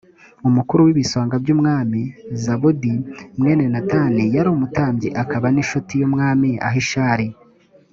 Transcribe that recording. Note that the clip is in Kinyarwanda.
umukuru w ibisonga by umwami zabudi mwene natani yari umutambyi akaba n incutie y umwami ahishari